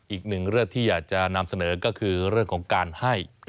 อีกหนึ่งเรื่องที่อยากจะนำเสนอก็คือเรื่องของการให้